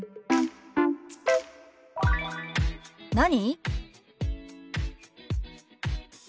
「何？」。